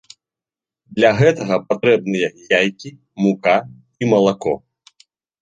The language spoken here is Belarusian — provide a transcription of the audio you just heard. Для гэтага патрэбныя яйкі, мука і малако.